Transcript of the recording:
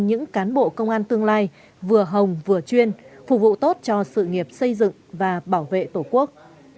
những cán bộ công an tương lai vừa hồng vừa chuyên phục vụ tốt cho sự nghiệp xây dựng và bảo vệ tổ quốc